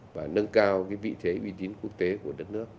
và nâng cao cái vị thế uy tín quốc gia